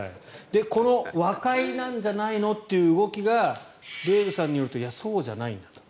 この和解なんじゃないのって動きがデーブさんによるとそうじゃないんだと。